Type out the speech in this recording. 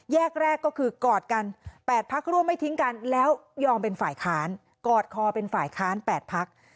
แรกก็คือกอดกัน๘พักร่วมไม่ทิ้งกันแล้วยอมเป็นฝ่ายค้านกอดคอเป็นฝ่ายค้าน๘พัก